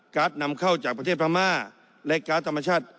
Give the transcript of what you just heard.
นำเข้าจากประเทศพม่าและการ์ดธรรมชาติ